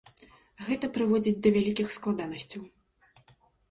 Гэта прыводзіць да вялікіх складанасцяў.